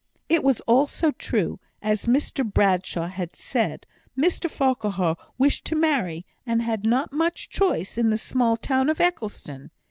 It was also true, as Mr Bradshaw had said, Mr Farquhar wished to marry, and had not much choice in the small town of Eccleston.